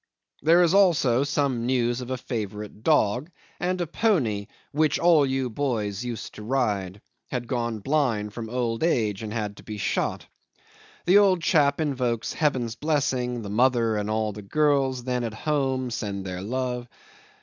There is also some news of a favourite dog; and a pony, "which all you boys used to ride," had gone blind from old age and had to be shot. The old chap invokes Heaven's blessing; the mother and all the girls then at home send their love.